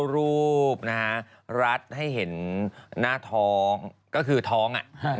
รูปนะฮะรัดให้เห็นหน้าท้องก็คือท้อง